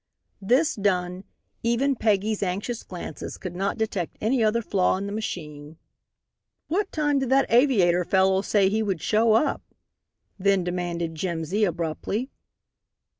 This done, even Peggy's anxious glances could not detect any other flaw in the machine. "What time did that aviator fellow say he would show up?" then demanded Jimsy, abruptly.